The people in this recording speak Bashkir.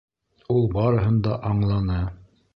Ул барыһын да аңланы.